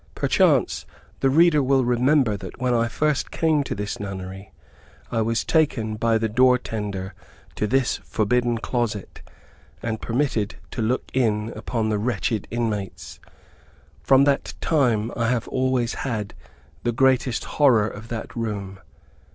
Perchance, the reader will remember that when I first came to this nunnery, I was taken by the door tender to this forbidden closet, and permitted to look in upon the wretched inmates. From that time I always had the greatest horror of that room.